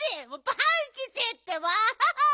パンキチってば！